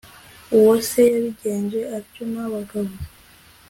uwo se yabigenje atyo n'abagabo